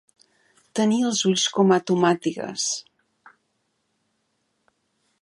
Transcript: Tenir els ulls com a tomàtigues.